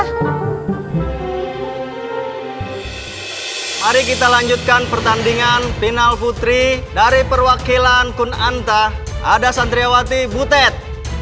hari kita lanjutkan pertandingan final putri dari perwakilan kunanta ada santriawati butet